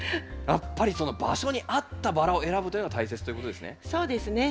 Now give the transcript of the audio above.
やっぱりその場所に合ったバラを選ぶというのが大切ということですね。